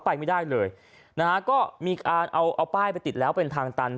ไปไม่ได้เลยนะฮะก็มีการเอาเอาป้ายไปติดแล้วเป็นทางตัน